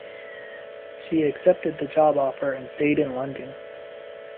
She accepted the job offer and stayed in London.